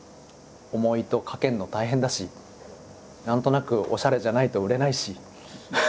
重いとかけるの大変だし何となくおしゃれじゃないと売れないし。